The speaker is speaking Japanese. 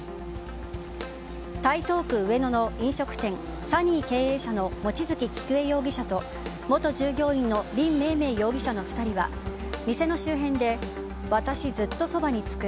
台東区上野の飲食店ＳＵＮＮＹ経営者の望月菊恵容疑者と元従業員のリン・メイメイ容疑者の２人は店の周辺で私、ずっとそばにつく。